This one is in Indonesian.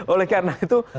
oleh karena itu